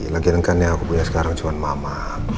lagian kan yang aku punya sekarang cuma mama